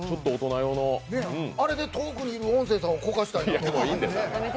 あれで遠くにいる音声さんをこかしたらいいんですよね？